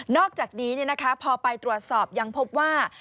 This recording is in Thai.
นอกจากนี้เนี่ยนะคะพอไปตรวจสอบยังพบว่า